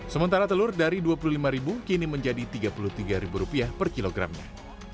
sementara telur dari dua puluh lima ribu kini menjadi tiga puluh tiga ribu rupiah per kilogramnya